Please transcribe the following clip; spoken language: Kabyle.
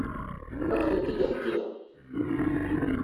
Ad k-tent-id-heggiɣ?